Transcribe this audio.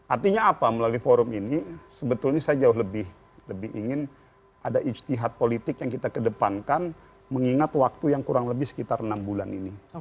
artinya apa melalui forum ini sebetulnya saya jauh lebih ingin ada ijtihad politik yang kita kedepankan mengingat waktu yang kurang lebih sekitar enam bulan ini